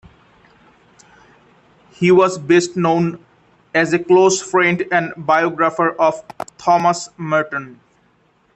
He was best known as a close friend and biographer of Thomas Merton.